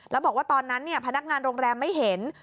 แล้วบอกว่าตอนนั้นพนักงานโรงแรมไม่เห็น